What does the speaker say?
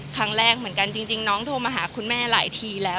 ครั้งแรกเหมือนกันจริงน้องโทรมาหาคุณแม่หลายทีแล้ว